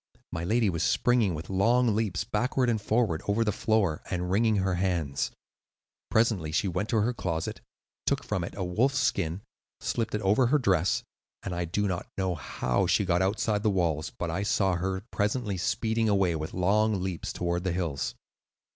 My lady was springing with long leaps backward and forward over the floor, and wringing her hands. Presently she went to her closet, took from it a wolf's skin, slipped it over her dress, and I do not know how she got outside the walls, but I saw her presently speeding away with long leaps toward the hills."